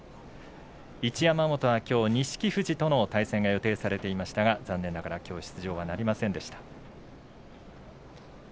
一山本はきょう錦富士との対戦が予定されていましたが残念ながらきょうの出場はなりませんでした。